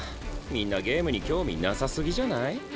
みんなゲームに興味なさすぎじゃない？